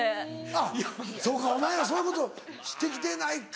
あっそうかお前らそういうことして来てないか。